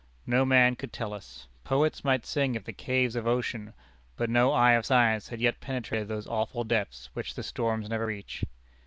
No man could tell us. Poets might sing of the caves of ocean, but no eye of science had yet penetrated those awful depths, which the storms never reach.